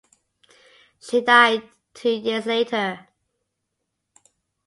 She died two years later.